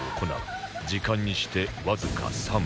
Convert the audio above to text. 時間にしてわずか３分